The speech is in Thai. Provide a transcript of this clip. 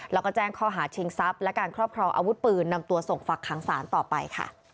แล้วก็แจ้งข้อหาชิงทรัพย์และการครอบครองอาวุธปืนนำตัวส่งฝักขังสารต่อไปค่ะ